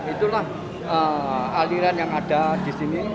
itulah aliran yang ada di sini